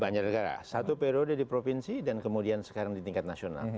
banjarnegara satu periode di provinsi dan kemudian sekarang di tingkat nasional